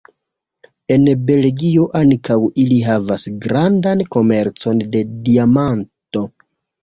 En Belgio ankaŭ ili havas grandan komercon de diamanto.